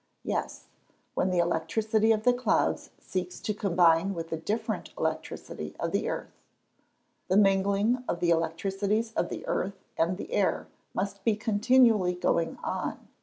_ Yes; when the electricity of the clouds seeks to combine with the different electricity of the earth. The mingling of the electricities of the earth and the air must be continually going on.